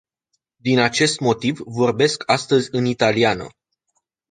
Din acest motiv, vorbesc astăzi în italiană.